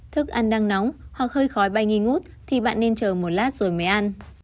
thức ăn đang nóng hoặc hơi khói bay nghi ngút thì bạn nên chờ một lát rồi mới ăn